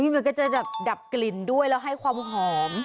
มันก็จะดับกลิ่นด้วยแล้วให้ความหอม